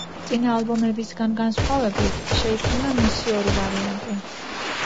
წინა ალბომებისგან განსხვავებით, შეიქმნა მისი ორი ვარიანტი.